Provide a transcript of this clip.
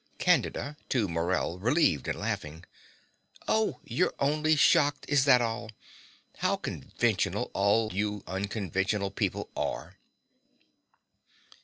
CANDIDA (to Morell, relieved and laughing). Oh, you're only shocked! Is that all? How conventional all you unconventional people are!